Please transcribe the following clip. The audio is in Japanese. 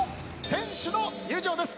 選手の入場です。